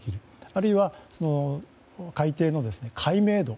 あるいは、海底の解明度。